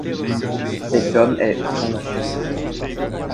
Cet homme est Frank Jr.